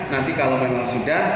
nanti kalau memang sudah